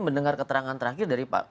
mendengar keterangan terakhir